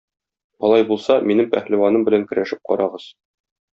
Алай булса, минем пәһлеваным белән көрәшеп карагыз.